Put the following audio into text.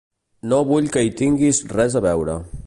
No vull que hi tinguis res a veure.